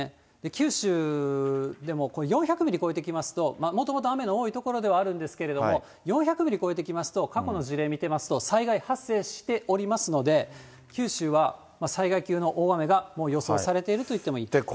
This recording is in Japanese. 九州でも４００ミリを超えてきますと、もともと雨の多い所ではあるんですけれども、４００ミリ超えてきますと、過去の事例見てますと、災害発生しておりますので、九州は災害級の大雨が、もう予想されているといってもいいですね。